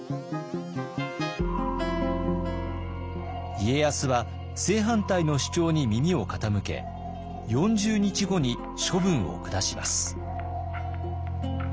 家康は正反対の主張に耳を傾け４０日後に処分を下します。